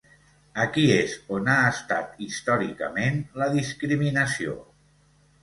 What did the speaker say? Aquí és on ha estat, històricament, la discriminació.